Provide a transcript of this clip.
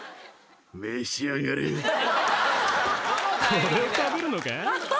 これを食べるのか？